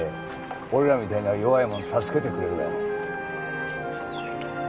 俺らみたいな弱いもん助けてくれるがやろ？